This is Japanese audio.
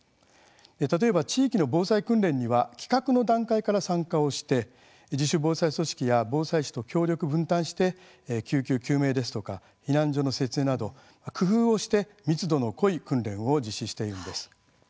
例えば、地域の防災訓練には企画の段階から参加をして自主防災組織や防災士と協力、分担して救急、救命ですとか避難所の設営など、工夫をして密度の濃い訓練を実施しているんです。